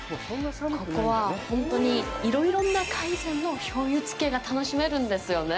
ここは、本当に、いろいろな海鮮の醤油漬けが楽しめるんですよね。